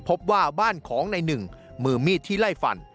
พบว่าบ้านของในหนึ่งมือมีดที่ไล่ฟัน